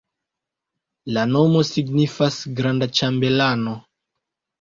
La nomo signifas granda-ĉambelano.